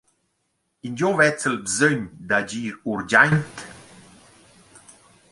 Ingio vezz’la bsögn d’agir urgiaint?